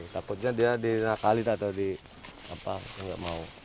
takutnya dia di nakalit atau di apa nggak mau